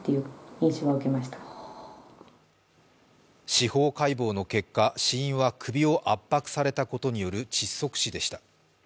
司法解剖の結果、死因は首を圧迫されたことによる窒息死でした。